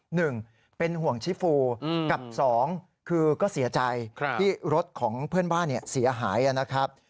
หนึ่งเป็นห่วงชิฟูกับสองคือก็เสียใจที่รถของเพื่อนบ้านเสียหายนะครับ